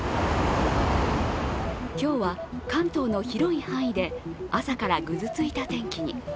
今日は関東の広い範囲で朝からぐずついた天気に。